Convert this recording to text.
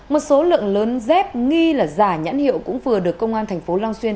một số lượng lớn dép nghi là giả nhãn hiệu cũng vừa được công an thành phố long xuyên